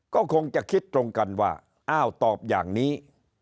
ก็คงจะคิดตรงกันว่าอ้าวตอบอย่างนี้